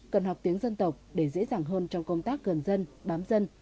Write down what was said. cần học tiếng dân tộc để dễ dàng hơn trong công tác gần dân bám dân